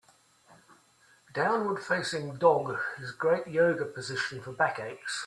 Downward facing dog is a great Yoga position for back aches.